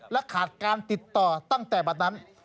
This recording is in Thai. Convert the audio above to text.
และขาดการติดต่อตั้งแต่บัตรนั้น